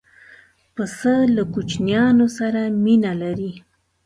پسه له کوچنیانو سره مینه لري.